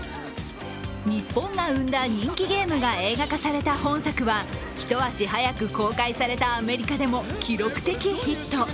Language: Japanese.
日本が生んだ人気ゲームが映画化された本作は一足早く公開されたアメリカでも記録的ヒット。